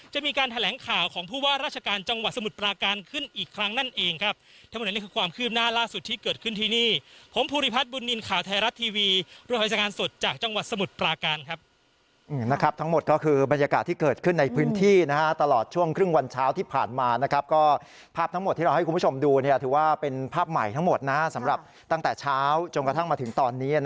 จังหวัดสมุดปลาการขึ้นอีกครั้งนั่นเองครับทั้งหมดนี้คือความคลิบหน้าล่าสุดที่เกิดขึ้นทีนี้ผมภูริพัฒน์บุญนินท์ข่าวไทยรัตทีวีรวมพยาบาลงานสดจากจังหวัดสมุดปลาการครับนะครับทั้งหมดก็คือบรรยากาศที่เกิดขึ้นในพื้นที่นะฮะตลอดช่วงครึ่งวันเช้าที่ผ่านมานะครับก็ภาพท